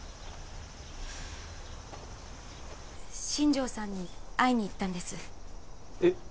新庄さんに会いに行ったんですえっ